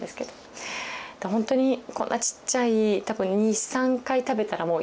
でほんとにこんなちっちゃい多分２３回食べたらもういっぱい。